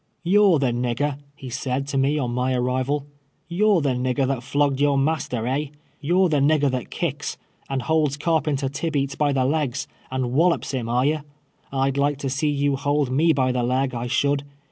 " You're the nigger," he said to me on mj arrival —" You're the nigger that flogged your master, eh? You're the nigger that kicks, and holds carpenter Tibeats by the leg, and wallops him, are ye ? Pdlike to see you hold me by the leg — I should.